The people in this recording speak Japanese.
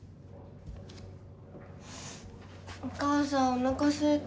お母さんおなかすいた。